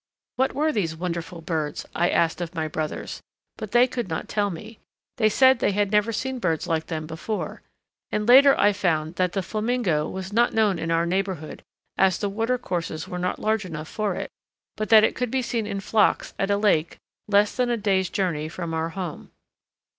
What were these wonderful birds? I asked of my brothers, but they could not tell me. They said they had never seen birds like them before, and later I found that the flamingo was not known in our neighbourhood as the water courses were not large enough for it, but that it could be seen in flocks at a lake less than a day's journey from our home.